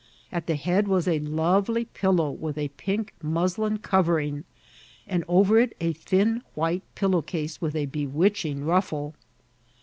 At the head was a lovely pillow with a pink muslin covering, and over it a thin white pillow* case with a bewitching ruffle.